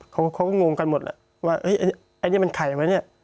เขาก็งงกันหมดแล้วว่าเฮ้ยอันนี้มันไข่ไหมเนี่ย